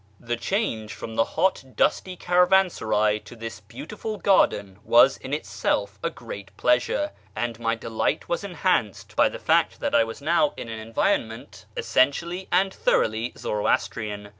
The change from the hot, dusty caravansaray to this beautiful garden was in itself a great pleasure, and my delight was enhanced by the fact that I was now in an environment essentially and thoroughly Zoroastrian.